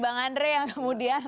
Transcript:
bang andre yang kemudian